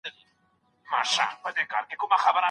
د مالکي او شافعي فقهاوو باوري نظر دادی.